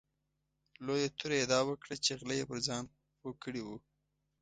لویه توره یې دا وکړه چې غله یې پر ځان پوه کړي وو.